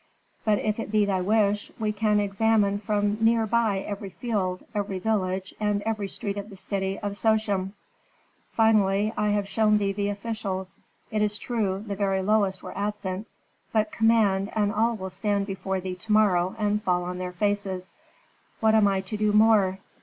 But if it be thy wish, we can examine from near by every field, every village, and every street of the city of Sochem. Finally I have shown thee the officials; it is true, the very lowest were absent. But command and all will stand before thee to morrow and fall on their faces. What am I to do more?